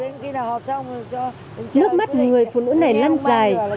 nước mắt người phụ nữ này năn dài